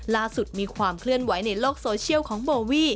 มีความเคลื่อนไหวในโลกโซเชียลของโบวี่